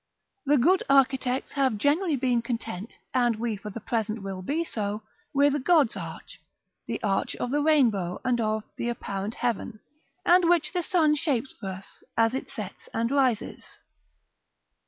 The good architects have generally been content, and we for the present will be so, with God's arch, the arch of the rainbow and of the apparent heaven, and which the sun shapes for us as it sets and rises.